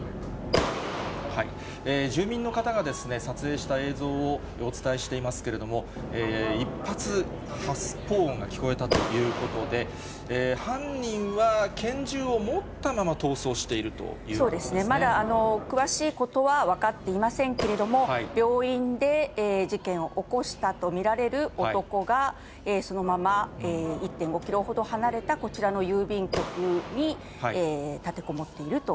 住民の方が撮影した映像をお伝えしていますけれども、１発、発砲音が聞こえたということで、犯人は拳銃を持ったまま逃走してまだ詳しいことは分かっていませんけれども、病院で事件を起こしたと見られる男がそのまま１．５キロほど離れたこちらの郵便局に立てこもっていると。